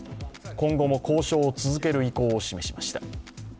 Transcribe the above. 今後も交渉を続ける意向を示しました。